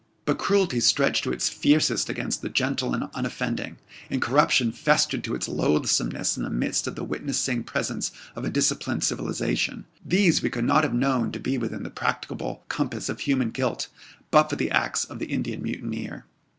But cruelty stretched to its fiercest against the gentle and unoffending, and corruption festered to its loathsomest in the midst of the witnessing presence of a disciplined civilization, these we could not have known to be within the practicable compass of human guilt, but for the acts of the Indian mutineer.